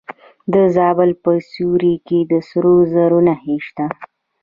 د زابل په سیوري کې د سرو زرو نښې شته.